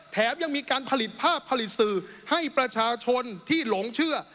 แถมยังมีการผลิตภาพผลิตสื่อให้ประชาชนที่หลงเชื่อ